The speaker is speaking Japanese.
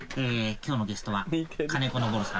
今日のゲストは金子昇さん。